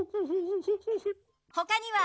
ほかには？